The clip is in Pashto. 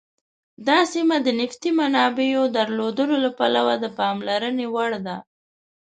دا سیمه د نفتي منابعو درلودلو له پلوه د پاملرنې وړ ده.